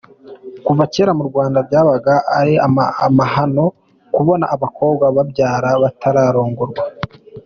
Kuva kera mu Rwanda byabaga ari amahano kubona abakobwa babyara batararongorwa.